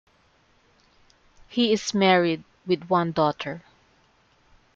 He is married with one daughter.